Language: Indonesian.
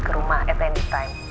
ke rumah at andy time